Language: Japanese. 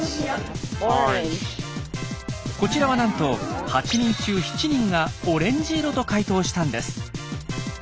こちらはなんと８人中７人がオレンジ色と回答したんです。